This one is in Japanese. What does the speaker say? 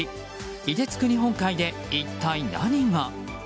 凍てつく日本海で一体何が。